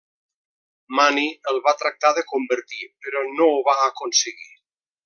Mani el va tractar de convertir però no ho va aconseguir.